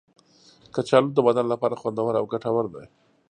کچالو د بدن لپاره خوندور او ګټور دی.